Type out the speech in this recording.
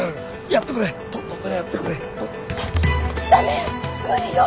やってくれよ。